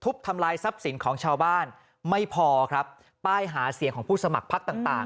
ทำลายทรัพย์สินของชาวบ้านไม่พอครับป้ายหาเสียงของผู้สมัครพักต่างต่าง